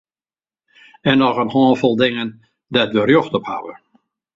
De brânwacht wie gau teplak om it fjoer te bestriden.